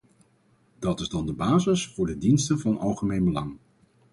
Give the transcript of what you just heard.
Dat is dan de basis voor de diensten van algemeen belang.